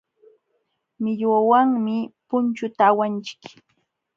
Millwawanmi punchuta awanchik.